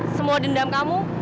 semua dendam kamu